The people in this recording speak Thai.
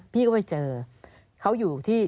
พี่ก็ไปเจอเขาอยู่ที่